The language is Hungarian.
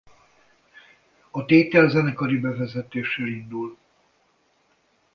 A tétel zenekari bevezetéssel indul.